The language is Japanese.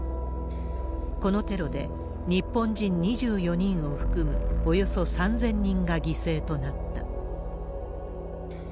このテロで、日本人２４人を含むおよそ３０００人が犠牲となった。